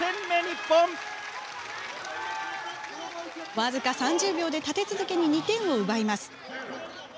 僅か３０秒で立て続けに２点を奪います。